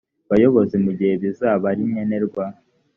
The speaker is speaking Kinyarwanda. bayobozi mu gihe bizaba ari nkenerwa